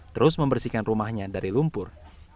terus membersihkan rumahnya dari lumpur